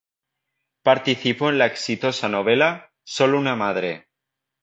Participó en la exitosa novela "Solo una madre".